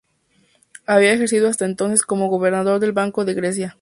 Había ejercido hasta entonces como gobernador del Banco de Grecia.